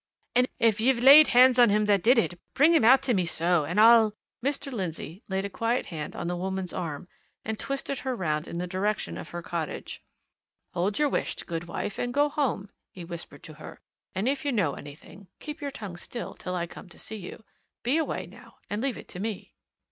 And if ye've laid hands on him that did it, bring him out to me, so, and I'll " Mr. Lindsey laid a quiet hand on the woman's arm and twisted her round in the direction of her cottage. "Hold your wisht, good wife, and go home!" he whispered to her. "And if you know anything, keep your tongue still till I come to see you. Be away, now, and leave it to me."